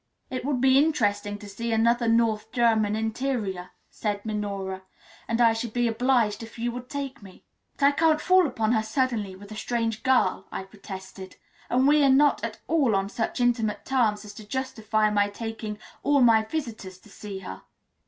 "It would be interesting to see another North German interior," said Minora; "and I should be obliged if you would take me. "But I can't fall upon her suddenly with a strange girl," I protested; "and we are not at all on such intimate terms as to justify my taking all my visitors to see her."